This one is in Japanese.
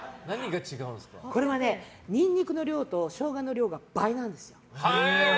これはニンニクの量とショウガの量が倍なんです。